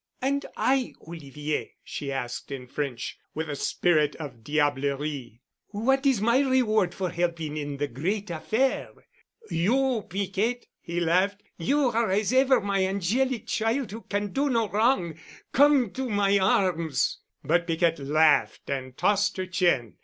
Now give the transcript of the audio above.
"And I, Olivier?" she asked in French with a spirit of diablerie. "What is my reward for helping in the great affair?" "You, Piquette!" he laughed, "you are as ever my angelic child who can do no wrong. Come to my arms." But Piquette laughed and tossed her chin.